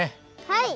はい。